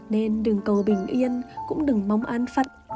nên đường cầu bình yên cũng đừng mong an phận